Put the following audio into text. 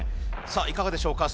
さあいかがでしょうか？